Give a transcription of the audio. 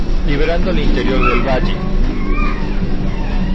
Liberando el interior del valle.